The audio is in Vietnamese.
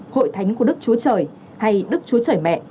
hội thánh của đức chúa trời hay đức chúa trời mẹ